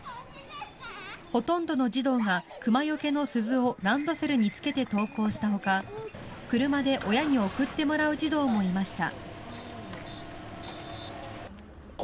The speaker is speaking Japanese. ほとんどの児童が熊よけの鈴をランドセルにつけて登校したほか車で親に送ってもらう児童もいました。